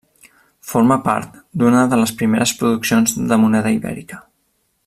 Forma part d'una de les primeres produccions de moneda ibèrica.